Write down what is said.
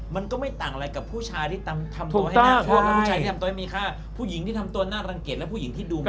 มันก็ไม่ต่างอะไรกับผู้ชายที่ทำตัวให้น่ารังเกตและผู้หญิงที่ทำตัวน่ารังเกตและผู้หญิงที่ดูมีค่ะ